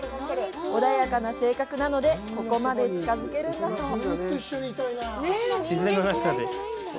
穏やかな性格なのでここまで近づけるんだそう！